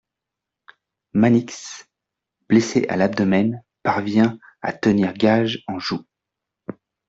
Mannix, blessé à l'abdomen, parvient à tenir Gage en joue.